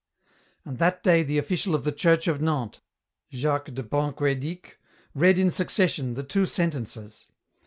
And that day the Official of the church of Nantes, Jacques de Pentcoetdic, read in succession the two sentences.